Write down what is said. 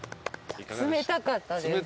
冷たかったです。